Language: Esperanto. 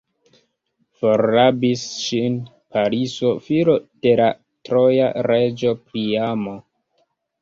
Forrabis ŝin Pariso, filo de la troja reĝo Priamo.